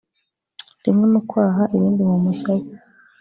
rimwe mu kwaha irindi mu musaya